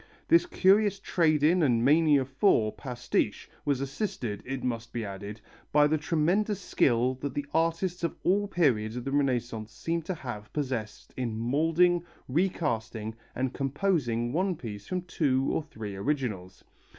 This curious trade in and mania for pastiche was assisted, it must be added, by the tremendous skill that the artists of all periods of the Renaissance seem to have possessed in moulding, recasting, and composing one piece from two or three originals.